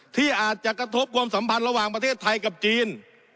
ที่อาจจะกระทบความสัมพันธ์ระหว่างประเทศไทยกับจีน